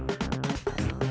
aku kau pula